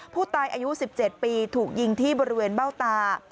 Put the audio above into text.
ผู้ตายอายุ๑๗ปีถูกยิงที่บริเวณเบ้าตา